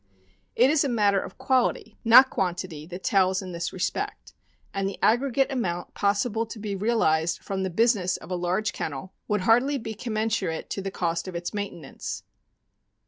It is a matter of quality, not quan 29 430 THE AMERICAN BOOK OF THE DOG. tity, that tells in this respect; and the aggregate amount possible to be realized from the business of a large kennel would hardly be commensurate to the cost of its mainte nance.